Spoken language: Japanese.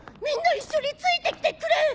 「みんな一緒についてきてくれ！」